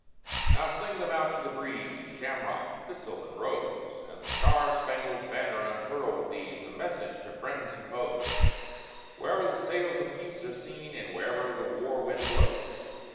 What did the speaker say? Now fling them out to the breeze, Shamrock, thistle, and rose, And the Star Spangled Banner unfurl with these, A message to friends and foes, Wherever the sails of peace are seen and wherever the war wind blows.